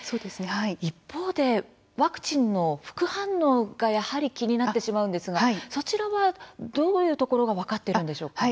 一方でワクチンの副反応がやはり気になってしまうんですがそちらは、どういうところが分かっているんでしょうか。